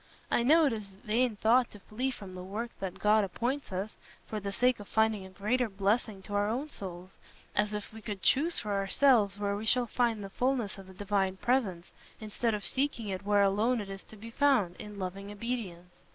I know it is a vain thought to flee from the work that God appoints us, for the sake of finding a greater blessing to our own souls, as if we could choose for ourselves where we shall find the fulness of the Divine Presence, instead of seeking it where alone it is to be found, in loving obedience.